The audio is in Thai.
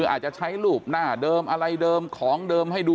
อาจจะใช้รูปหน้าเดิมอะไรเดิมของเดิมให้ดู